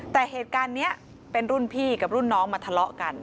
แต่เหตุการณ์นี้เป็นรุ่นพี่กับรุ่นน้องมาทะเลาะกัน